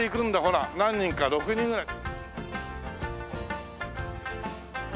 ほら何人か６人ぐらい。